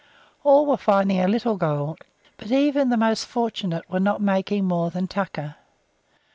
All were finding a little gold, but even the most fortunate were not making more than "tucker."